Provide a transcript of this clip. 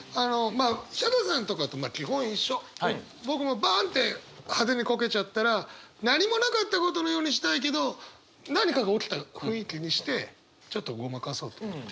僕もバンって派手にこけちゃったら何もなかったことのようにしたいけど何かが起きた雰囲気にしてちょっとごまかそうと思って。